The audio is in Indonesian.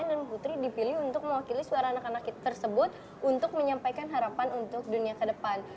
dan putri dipilih untuk mewakili suara anak anak tersebut untuk menyampaikan harapan untuk dunia ke depan